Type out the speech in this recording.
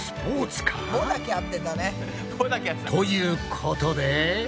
ということで。